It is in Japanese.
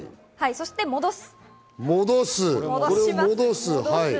そして戻す。